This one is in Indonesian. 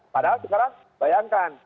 padahal sekarang bayangkan